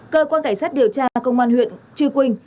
cơ quan cảnh sát điều tra công an huyện trừ quỳnh